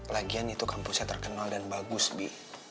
lagian itu kampusnya terkenal dan bagus bi